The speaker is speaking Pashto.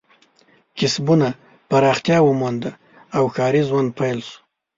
کسبونه پراختیا ومونده او ښاري ژوند پیل شو.